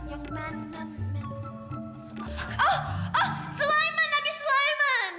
oh sulaiman nabi sulaiman